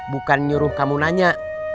bukan nyuruh kamu nanya